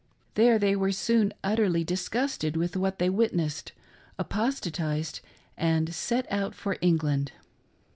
There they were soon utterly disgusted with what they witnessed, apostatized, and set out for England.